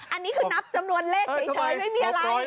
อันนี้คือนับจำนวนเลขเฉยไม่มีอะไร